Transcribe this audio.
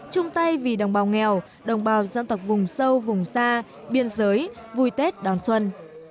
chung tay vì đồng bào nghèo đồng bào dân tộc vùng sâu vùng xa biên giới vui tết đón xuân